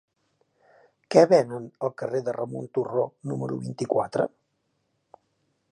Què venen al carrer de Ramon Turró número vint-i-quatre?